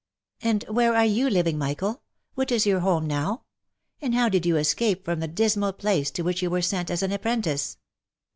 " And where are you living, Michael ? What is your home now l And how did you escape from the dismal place to which you were sent as an apprentice